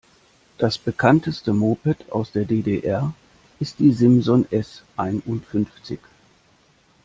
Das Bekannteste Moped aus der D-D-R ist die Simson S einundfünfzig.